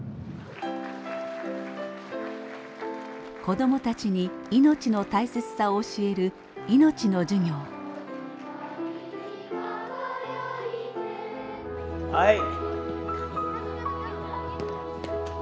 子どもたちに命の大切さを教えるはい。